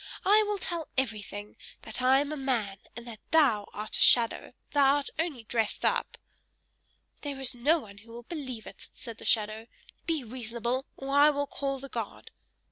I will tell everything! That I am a man, and that thou art a shadow thou art only dressed up!" "There is no one who will believe it!" said the shadow. "Be reasonable, or I will call the guard!"